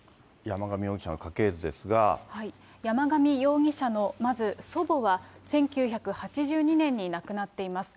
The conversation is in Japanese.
山上容疑者のまず祖母は、１９８２年に亡くなっています。